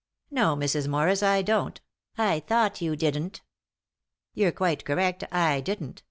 " "No, Mrs. Morris, I don't." " I thought you didn't." "You're quite correct ; I didn't.